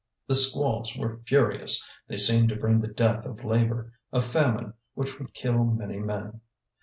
The squalls were furious: they seemed to bring the death of labour, a famine which would kill many men.